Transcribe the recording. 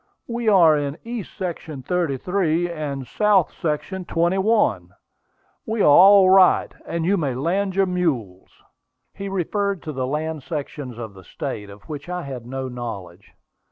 We are in east section 33, and south section 21. We are all right, and you may land your mules." He referred to the land sections of the state, of which I had no knowledge.